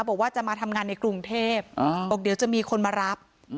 บอกว่าจะมาทำงานในกรุงเทพบอกเดี๋ยวจะมีคนมารับ